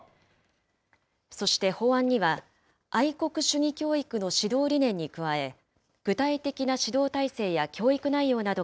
そして法案には、愛国主義教育の指導理念に加え、具体的な指導体制や教育内容など